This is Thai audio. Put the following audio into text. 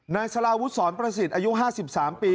นายสลาวุศรประสิทธิ์อายุ๕๓ปี